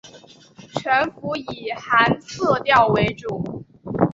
全幅以寒色调为主